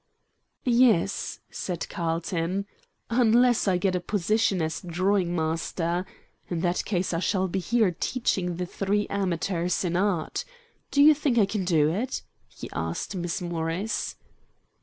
"Yes," said Carlton, "unless I get a position as drawing master; in that case I shall be here teaching the three amateurs in art. Do you think I can do it?" he asked Miss Morris.